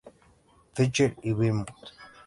Fletcher y Beaumont